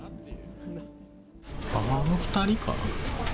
あの２人かな。